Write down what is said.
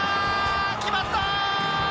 決まった！